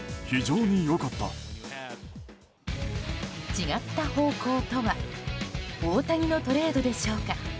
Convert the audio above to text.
違った方向とは大谷のトレードでしょうか。